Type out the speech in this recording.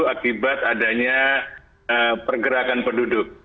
akibat adanya pergerakan penduduk